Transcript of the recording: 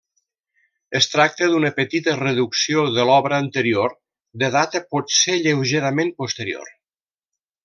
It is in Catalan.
Es tracta d'una petita reducció de l'obra anterior, de data potser lleugerament posterior.